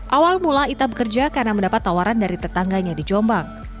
awal mula ita bekerja karena mendapat tawaran dari tetangganya di jombang